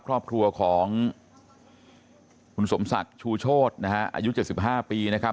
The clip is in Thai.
ครอบครัวของคุณสมศักดิ์ชูโชธนะฮะอายุ๗๕ปีนะครับ